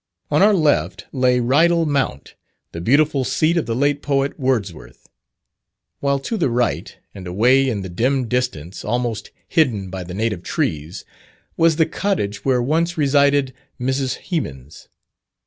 On our left, lay Rydal Mount, the beautiful seat of the late poet Wordsworth. While to the right, and away in the dim distance, almost hidden by the native trees, was the cottage where once resided Mrs. Hemans.